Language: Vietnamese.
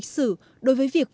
của cộng đồng silvaco